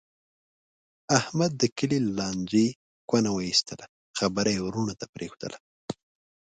احمد د کلي له لانجې کونه و ایستله. خبره یې ورڼو ته پرېښودله.